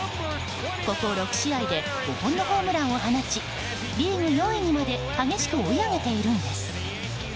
ここ６試合で５本のホームランを放ちリーグ４位にまで激しく追い上げているんです。